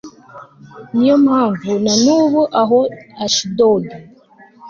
ni yo mpamvu na n'ubu aho i ashidodi